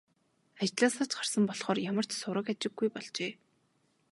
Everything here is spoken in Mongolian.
Ажлаасаа ч гарсан болохоор ямар ч сураг ажиггүй болжээ.